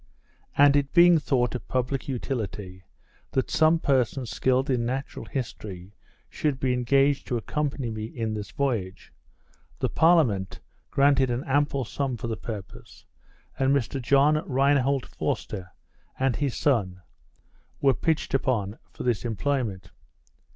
And it being thought of public utility, that some person skilled in natural history, should be engaged to accompany me in this voyage, the parliament granted an ample sum for the purpose, and Mr John Reinhold Forster, with his son, were pitched upon for this employment.